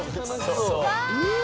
「うわ！」